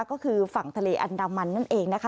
ก็คือฝั่งทะเลอันดามันนั่นเองนะคะ